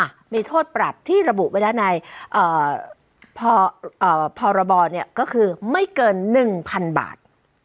จะมีโทษปรับที่ระบุด้วยหรือไม่เกินหนึ่งพันบาท